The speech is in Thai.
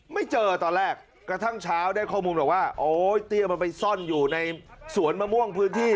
ไม่เจอตอนแรกกระทั่งเช้าได้ข้อมูลบอกว่าโอ้ยเตี้ยมันไปซ่อนอยู่ในสวนมะม่วงพื้นที่